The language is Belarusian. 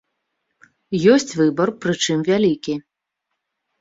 Ёсць выбар, прычым, вялікі.